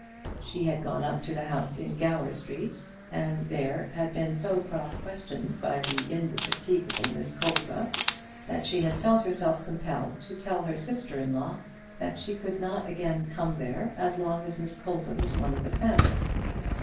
She had gone up to the house in Gower Street, and had there been so cross questioned by the indefatigable Miss Colza that she had felt herself compelled to tell her sister in law that she could not again come there as long as Miss Colza was one of the family.